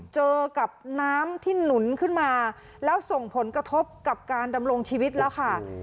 เจอกับน้ำที่หนุนขึ้นมาแล้วส่งผลกระทบกับการดำรงชีวิตแล้วค่ะ